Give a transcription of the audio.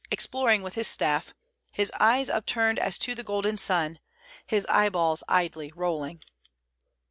... exploring with his staff, His eyes upturned as to the golden sun, His eyeballs idly rolling."